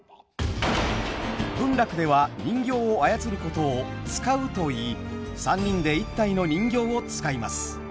文楽では人形を操ることを「遣う」といい３人で１体の人形を遣います。